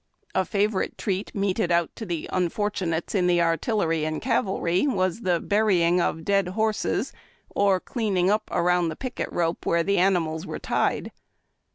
A favorite treat meted out to the unfortunates in the artillery and cavalry was the burying of dead horses or cleaning up around the picket rope where the animals were tied.